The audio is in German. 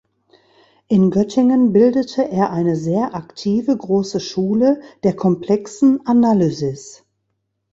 In Göttingen bildete er eine sehr aktive große Schule der komplexen Analysis.